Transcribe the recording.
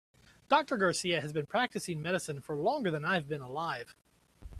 Doctor Garcia has been practicing medicine for longer than I have been alive.